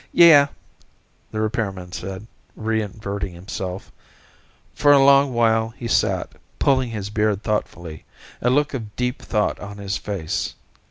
"Yeah," the repairman said, reinverting himself. For a long while he sat, pulling his beard thoughtfully, a look of deep thought on his face.